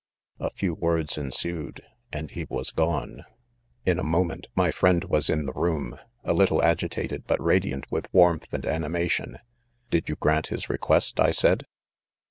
A few words ensued and lie was gone. In a moment, my friend was in the room ; a little agitated, but radiant with warmth and animation, "Bid you grant his request ? 5J I said.